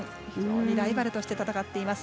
ライバルとして戦っています。